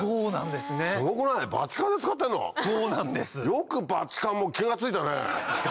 よくバチカンも気が付いたね。